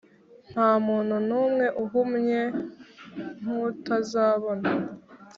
ntamuntu numwe uhumye nkutazabona